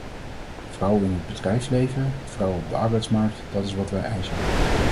Vrouwen in het bedrijfsleven, vrouwen op de arbeidsmarkt - dat is wat wij eisen.